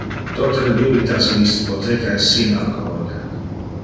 Tote le bibitas in iste boteca es sin alcohol.